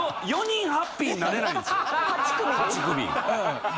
４組ハッピーになれない。